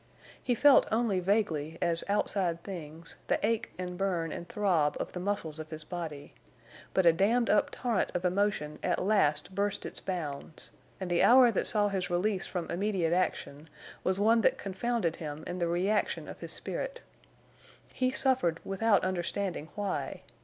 He felt only vaguely, as outside things, the ache and burn and throb of the muscles of his body. But a dammed up torrent of emotion at last burst its bounds, and the hour that saw his release from immediate action was one that confounded him in the reaction of his spirit. He suffered without understanding why.